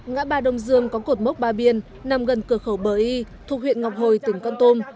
ngã ba đông dương có cột mốc ba biên nằm gần cửa khẩu bờ y thuộc huyện ngọc hồi tỉnh con tum